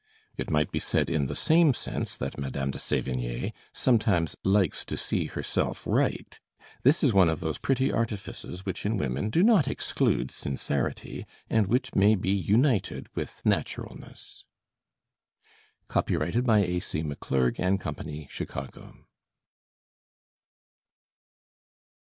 It might be said in the same sense that Madame de Sévigné sometimes likes to see herself write. This is one of those pretty artifices which in women do not exclude sincerity, and which may be united with naturalness. Copyrighted by A.C. McClurg and Company, Chicago.